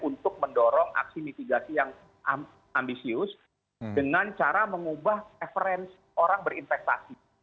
untuk mendorong aksi mitigasi yang ambisius dengan cara mengubah preferensi orang berinvestasi